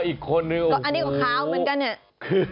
อันนี้ก็ขาวเหมือนกันเนี่ย